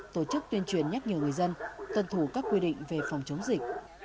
tổ chức tuyên truyền nhắc nhở người dân tuân thủ các quy định về phòng chống dịch